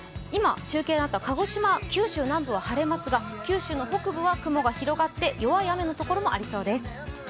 今、中継があった鹿児島、九州南部は晴れますが九州の北部は雲が広がって弱い雨の所もありそうです。